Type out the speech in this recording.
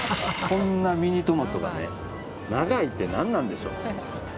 こんなミニトマトが長いって何なんでしょう。